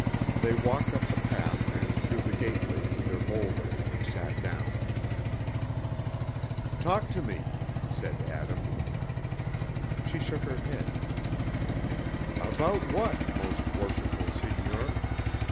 They walked up the path and through the gateway to their boulder, and sat down. "Talk to me," said Adam. She shook her head. "About what, most worshipful seigneur?